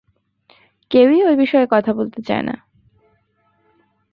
কেউই ঐ বিষয়ে কথা বলতে চায় না।